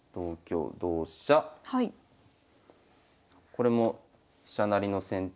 これも飛車成りの先手